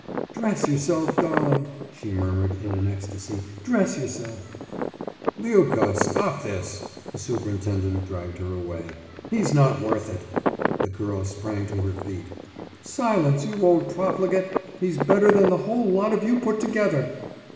»Dress yourself, darling!« she murmured in an ecstasy. »Dress yourself!« »Liubka, stop this!« The superintendent dragged her away. »He's not worth it!« The girl sprang to her feet. »Silence, you old profligate! He's better than the whole lot of you put together!